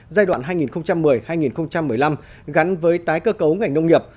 giai đoạn hai nghìn một mươi hai nghìn một mươi năm gắn với tái cơ cấu ngành nông nghiệp